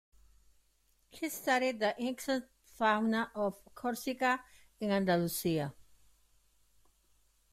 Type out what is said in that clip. He studied the insect fauna of Corsica and Andalusia.